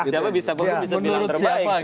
siapa bisa bilang terbaik